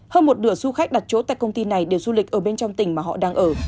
hơn một nửa du khách đặt chỗ tại công ty này đều du lịch ở bên trong tỉnh mà họ đang ở